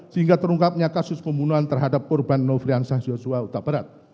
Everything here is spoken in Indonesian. sehingga terungkapnya kasus pembunuhan terhadap korban nouvreensah joshua utach barat